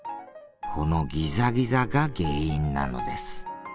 このギザギザが原因なのです。